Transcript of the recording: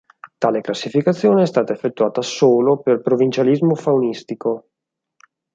Tale classificazione è stata effettuata solo per provincialismo faunistico.